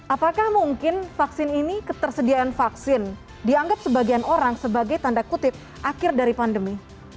apakah mungkin vaksin ini ketersediaan vaksin dianggap sebagian orang sebagai tanda kutip akhir dari pandemi